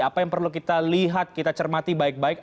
apa yang perlu kita lihat kita cermati baik baik